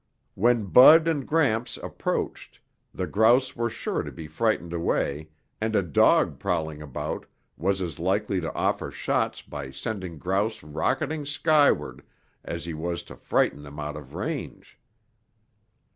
When Bud and Gramps approached, the grouse were sure to be frightened anyway and a dog prowling about was as likely to offer shots by sending grouse rocketing skyward as he was to frighten them out of range.